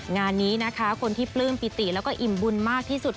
งานนี้คนที่ปลื้มปิติและอิ่มบุญมากที่สุด